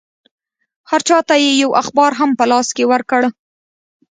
هر چا ته یې یو اخبار هم په لاس کې ورکړ.